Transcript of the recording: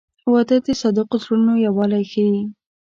• واده د صادقو زړونو یووالی ښیي.